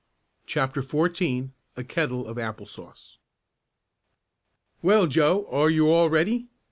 CHAPTER XIV A KETTLE OF APPLE SAUCE "Well, Joe, are you all ready?"